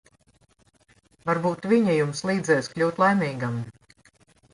Varbūt viņa jums līdzēs kļūt laimīgam.